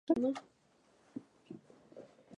El escudo de armas es de los tiempos recientes.